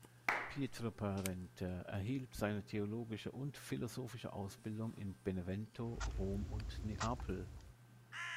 Pietro Parente erhielt seine theologische und philosophische Ausbildung in Benevento, Rom und Neapel.